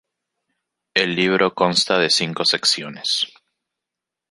El libro consta de cinco secciones.